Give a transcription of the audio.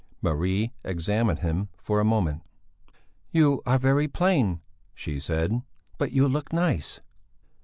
Marie examined him for a moment. "You are very plain," she said, "but you look nice."